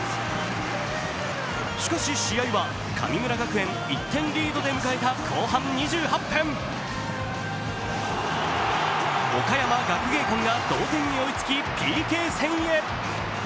しかし試合は神村学園１点リードで迎えた後半２８分岡山学芸館が同点に追いつき、ＰＫ戦へ。